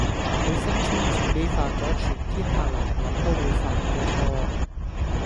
佢聲稱自己犯咗全天下男人都會犯嘅錯